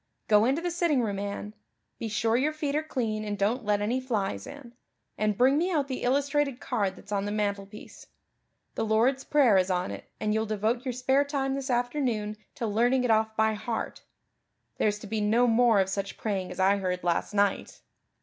Go into the sitting room, Anne be sure your feet are clean and don't let any flies in and bring me out the illustrated card that's on the mantelpiece. The Lord's Prayer is on it and you'll devote your spare time this afternoon to learning it off by heart. There's to be no more of such praying as I heard last night."